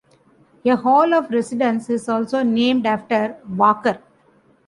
A Hall of Residence is also named after Walker.